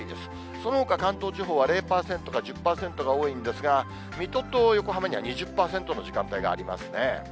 そのほか関東地方は０％か１０％が多いんですが、水戸と横浜には２０％の時間帯がありますね。